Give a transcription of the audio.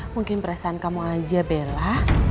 mungkin perasaan kamu aja bella